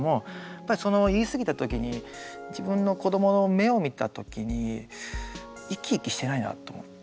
やっぱりその言い過ぎた時に自分の子どもの目を見た時に生き生きしてないなと思って。